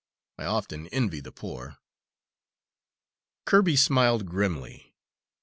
I often envy the poor." Kirby smiled grimly.